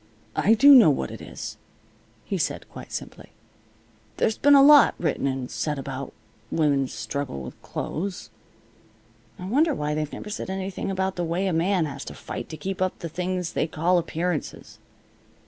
"I do know what it is," he said, quite simply. "There's been a lot written and said about women's struggle with clothes. I wonder why they've never said anything about the way a man has to fight to keep up the thing they call appearances.